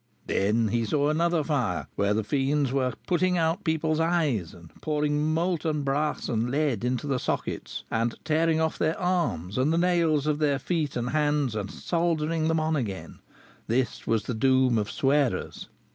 Then he saw another fire, where the fiends were putting out people's eyes and pouring molten brass and lead into the sockets, and tearing off their arms and the nails of their feet and hands, and soldering them on again. This was the doom of swearers.